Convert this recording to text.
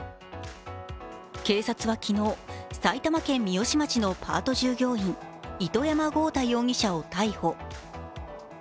警察は昨日、埼玉県三芳町のパート従業員糸山豪太容疑者を逮捕。